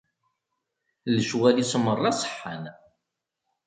Lecɣal-is meṛṛa ṣeḥḥan.